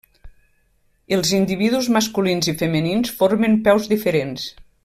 Els individus masculins i femenins formen peus diferents.